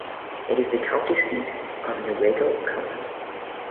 It is the county seat of Newaygo County.